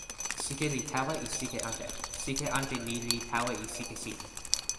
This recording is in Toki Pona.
sike li tawa e sike ante. sike ante ni li tawa e sike sin.